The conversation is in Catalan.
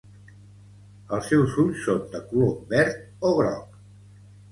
Els seus ulls són de color verd o groc.